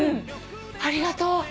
ありがとう。